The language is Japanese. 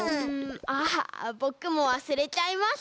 あぼくもわすれちゃいました。